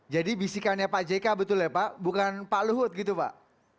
jadi bisikannya pak jk betul ya pak bukan pak luhut gitu pak